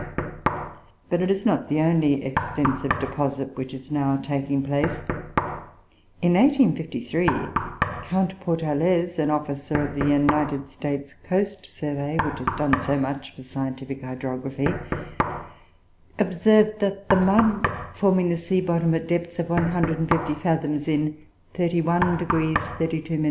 But it is not the only extensive deposit which is now taking place. In 1853, Count Pourtalès, an officer of the United States Coast Survey, which has done so much for scientific hydrography, observed, that the mud forming the sea bottom at depths of one hundred and fifty fathoms, in 31° 32' N.